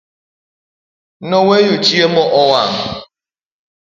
Noweyo chiemo owang'